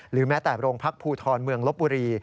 แม้แต่โรงพักภูทรเมืองลบบุรี